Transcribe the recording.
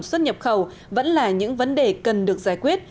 những lĩnh vực thực phẩm xuất nhập khẩu vẫn là những vấn đề cần được giải quyết